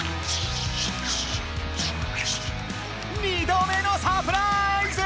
２度目のサプラーイズ！